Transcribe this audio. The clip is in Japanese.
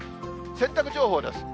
洗濯情報です。